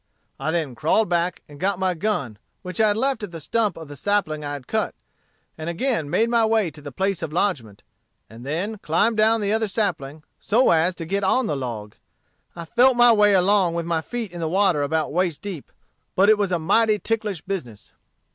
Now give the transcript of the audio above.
I then crawled back and got my gun, which I had left at the stump of the sapling I had cut, and again made my way to the place of lodgment, and then climbed down the other sapling so as to get on the log. I felt my way along with my feet in the water about waist deep, but it was a mighty ticklish business.